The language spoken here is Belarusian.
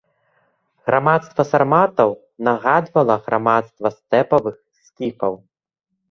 Грамадства сарматаў нагадвала грамадства стэпавых скіфаў.